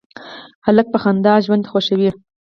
هلک په خندا ژوند خوښوي.